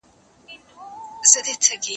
زه پرون پوښتنه کوم،